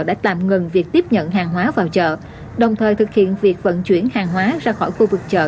đã tạm ngừng việc tiếp nhận hàng hóa vào chợ đồng thời thực hiện việc vận chuyển hàng hóa ra khỏi khu vực chợ